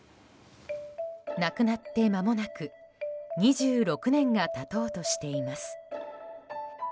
亡くなってまもなく２６年が経とうとしています。